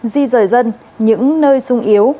di rời dân những nơi sung yếu